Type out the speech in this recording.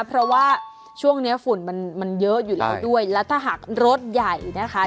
เพราะว่าช่วงเนี้ยฝุ่นมันมันเยอะอยู่แล้วด้วยแล้วถ้าหากรถใหญ่นะคะ